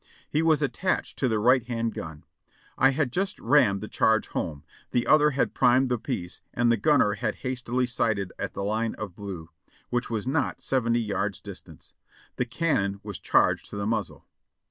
He was attached to the right hand gun. "I had just rammed the charge home, the other had primed the piece and the gunner had hastily sighted at the line of blue, which was not seventy yards distant. The cannon was charged to the muzzle.